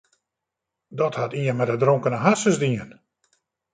Dat hat ien mei de dronkene harsens dien.